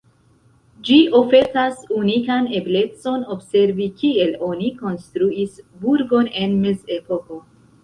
Ĝi ofertas unikan eblecon observi kiel oni konstruis burgon en mezepoko.